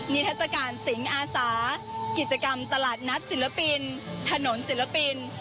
ทัศกาลสิงอาสากิจกรรมตลาดนัดศิลปินถนนศิลปิน